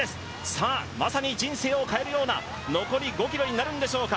さあまさに人生を変えるような残り５ｋｍになるんでしょうか。